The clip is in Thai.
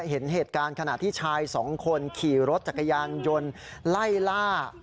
เห็นเหตุการณ์ขณะที่ชายสองคนขี่รถจักรยานยนต์ไล่ล่า